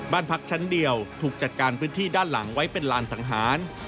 บ้านพักชั้นเดียวถูกจัดการพื้นที่ด้านหลังไว้เป็นลานสังหาร